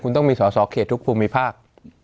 คุณต้องมีสอสอเขตทุกภูมิภาค